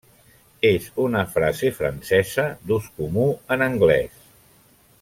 És una frase francesa d'ús comú en anglès.